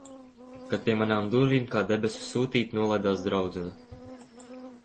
Kad pie manām durvīm, kā debesu sūtīta, nolaidās draudzene.